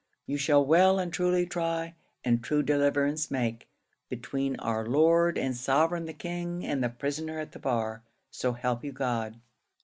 You shall well and truly try, and true deliverance make, between our Lord and Sovereign the King and the prisoner at the bar so help you God!"